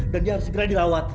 dan dia harus segera dirawat